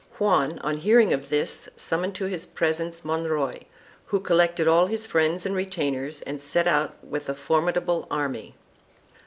Juan on hearing of this summoned to his presence Monroy, who collected all his friends and retainers and set out with a formidable army.